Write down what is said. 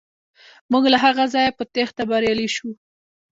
موږ له هغه ځایه په تیښته بریالي شو.